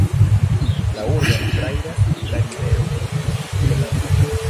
La urbon trairas la rivero Dnepro.